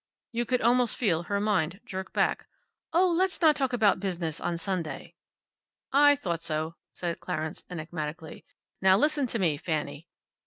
You could almost feel her mind jerk back. "Oh, let's not talk about business on Sunday." "I thought so," said Clarence, enigmatically. "Now listen to me, Fanny."